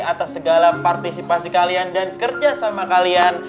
atas segala partisipasi kalian dan kerja sama kalian